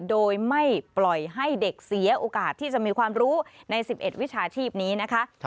โดยไม่ปล่อยให้เด็กเสียโอกาสที่จะมีความรู้ใน๑๑วิชาชีพนี้นะคะ